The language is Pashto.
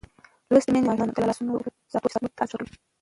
لوستې میندې د ماشومانو د لاسونو وچ ساتلو ته ارزښت ورکوي.